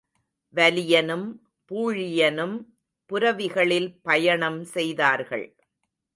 வலியனும் பூழியனும் புரவிகளில் பயணம் செய்தார்கள்.